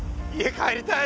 帰りたい！